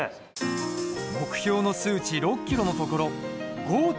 目標の数値６ｋｇのところ５．８ｋｇ。